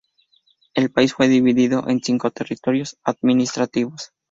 El país fue dividido en cinco territorios administrativos.